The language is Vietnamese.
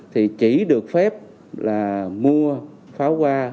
thì chỉ được phép là mua pháo hoa